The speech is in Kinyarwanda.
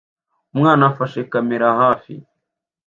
Umwana afashe kamera hafi